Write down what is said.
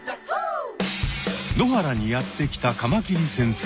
野原にやって来たカマキリ先生。